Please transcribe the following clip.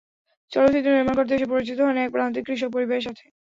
চলচ্চিত্র নির্মাণ করতে এসে পরিচিত হন এক প্রান্তিক কৃষক পরিবারের সাথে।